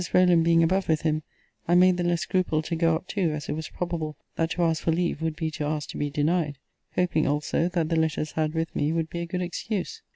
Rowland being above with him, I made the less scruple to go up too, as it was probable, that to ask for leave would be to ask to be denied; hoping also, that the letters had with me would be a good excuse.